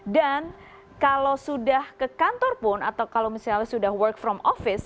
dan kalau sudah ke kantor pun atau kalau misalnya sudah work from office